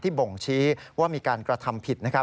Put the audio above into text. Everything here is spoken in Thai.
บ่งชี้ว่ามีการกระทำผิด